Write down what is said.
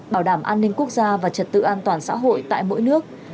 bảo đảm an ninh quốc gia và trật tự an toàn xã hội tại mỗi nước